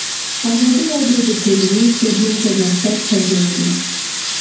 ازادي راډیو د ټولنیز بدلون پرمختګ سنجولی.